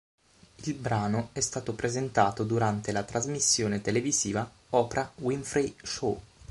Il brano è stato presentato durante la trasmissione televisiva "Oprah Winfrey Show".